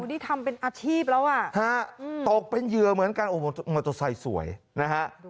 นี่ทำเป็นอาชีพแล้วตกเป็นเยือเหมือนกันมันจะใส่สวยนะฮะ